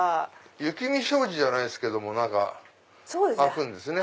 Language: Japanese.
雪見障子じゃないですけども開くんですね。